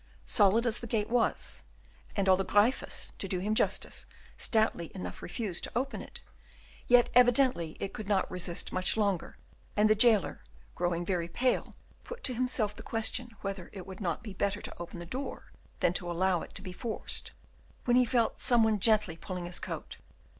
Solid as the gate was, and although Gryphus, to do him justice, stoutly enough refused to open it, yet evidently it could not resist much longer, and the jailer, growing very pale, put to himself the question whether it would not be better to open the door than to allow it to be forced, when he felt some one gently pulling his coat.